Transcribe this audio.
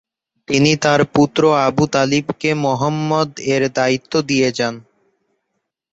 তিনি তার পুত্র আবু তালিবকে মুহাম্মাদ এর দায়িত্ব দিয়ে যান।